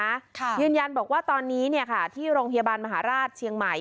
ค่ะยืนยันบอกว่าตอนนี้เนี่ยค่ะที่โรงพยาบาลมหาราชเชียงใหม่